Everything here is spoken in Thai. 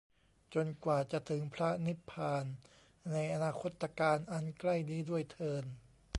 จนกว่าจะถึงพระนิพพาน ในอนาคตกาล อันใกล้นี้ด้วยเทอญ